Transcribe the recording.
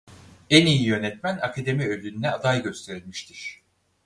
En İyi Yönetmen Akademi Ödülü'ne aday gösterilmiştir.